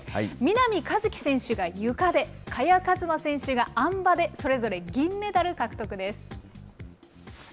南一輝選手がゆかで、萱和磨選手があん馬でそれぞれ銀メダル獲得です。